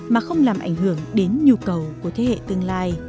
mà không làm ảnh hưởng đến nhu cầu của thế hệ tương lai